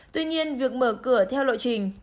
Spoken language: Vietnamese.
tuy nhiên việc mở cửa theo lộ trình